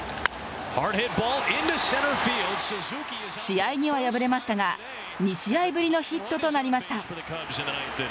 試合には敗れましたが２試合ぶりのヒットとなりました。